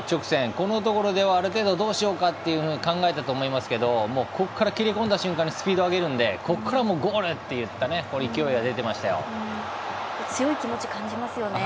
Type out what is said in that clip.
このところでは、ある程度どうしようかと考えていたと思いますがここから切り込んだ瞬間にスピードを上げるのでここからゴールといった強い気持ち感じますよね。